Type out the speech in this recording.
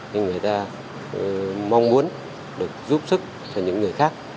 nhưng người ta mong muốn được giúp sức cho những người khác